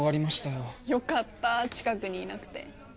よかった近くにいなくて。